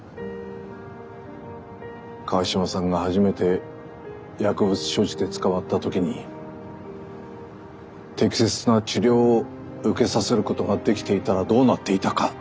川島さんが初めて薬物所持で捕まった時に適切な治療を受けさせることができていたらどうなっていたか。